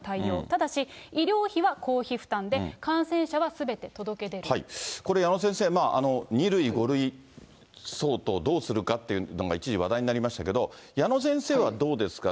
ただし医療費は公費負担で、これ、矢野先生、２類、５類相当をどうするかっていうのが、一時話題になりましたけど、矢野先生はどうですか？